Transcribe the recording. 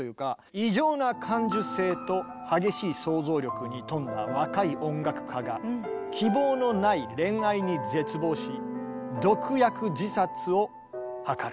「異常な感受性と激しい想像力に富んだ若い音楽家が希望のない恋愛に絶望し毒薬自殺を図る。